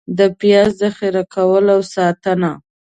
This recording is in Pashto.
د پیاز ذخېره کول او ساتنه: